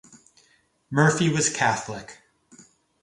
Murphy was Catholic.